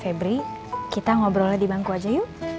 febri kita ngobrolnya di bangku aja yuk